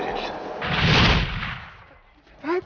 aku belum bisa ngopi jadi itu